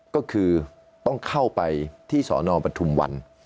ก็คือต้องเข้าไปที่สนปทุมวัน